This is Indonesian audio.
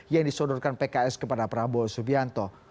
yang disodorkan pks kepada prabowo subianto